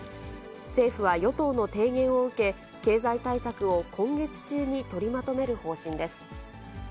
政府は与党の提言を受け、経済対策を今月中に取りまとめる方針です。